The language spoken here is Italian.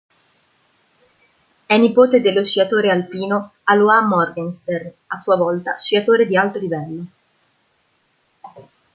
È nipote dello sciatore alpino Alois Morgenstern, a sua volta sciatore di alto livello.